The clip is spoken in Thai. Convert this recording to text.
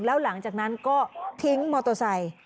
แล้วหลังจากนั้นก็ทิ้งมอเตอร์ไซค์